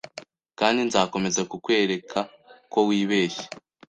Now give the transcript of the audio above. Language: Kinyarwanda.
Kandi nzakomeza kukwereka ko wibeshye